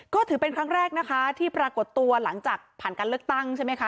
ก็ถือเป็นครั้งแรกนะคะที่ปรากฏตัวหลังจากผ่านการเลือกตั้งใช่ไหมคะ